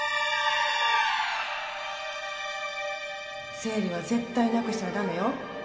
生理は絶対なくしちゃだめよ。